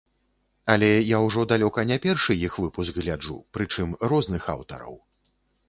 Але я ўжо далёка не першы іх выпуск гляджу, прычым розных аўтараў.